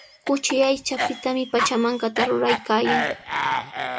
Kuchi aychapitami pachamankata ruraykaayan.